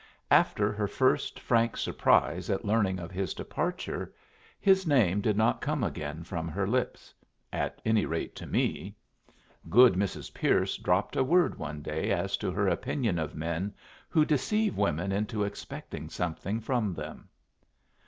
After her first frank surprise at learning of his departure, his name did not come again from her lips, at any rate to me. Good Mrs. Pierce dropped a word one day as to her opinion of men who deceive women into expecting something from them.